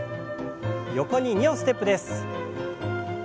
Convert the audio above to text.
横に２歩ステップです。